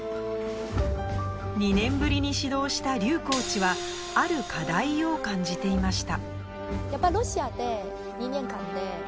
２年ぶりに指導したリュウコーチはある課題を感じていました。